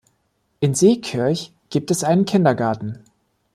In Seekirch gibt es einen Kindergarten.